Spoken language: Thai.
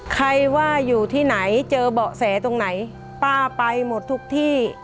ใครว่าอยู่ที่ไหนเจอเบาะแสตรงไหนป้าไปหมดทุกที่